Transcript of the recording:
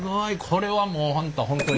これはもう本当